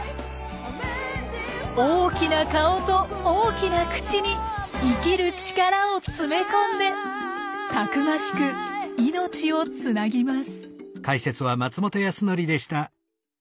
大きな顔と大きな口に生きる力を詰め込んでたくましく命をつなぎます。